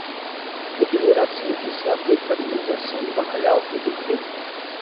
Dependerá sempre se a dessalinização do bacalhau foi bem feita.